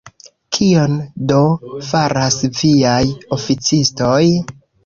Kion do faras viaj oficistoj?